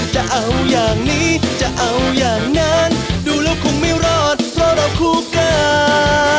จะเอาอย่างนี้จะเอาอย่างนั้นดูแล้วคงไม่รอดเพราะเราคู่กัน